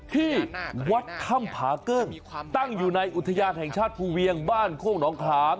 ที่วัดถ้ำผาเกิ้งตั้งอยู่ในอุทยานแห่งชาติภูเวียงบ้านโคกหนองขาม